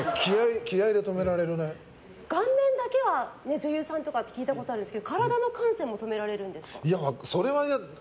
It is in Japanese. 顔面だけはって女優さんとか聞いたことあるんですけど体の汗腺も止められるんですか？